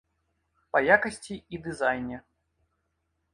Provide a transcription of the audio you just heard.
Па якасці і дызайне.